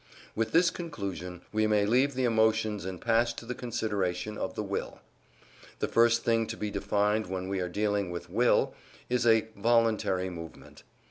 With this conclusion we may leave the emotions and pass to the consideration of the will. The first thing to be defined when we are dealing with Will is a VOLUNTARY MOVEMENT.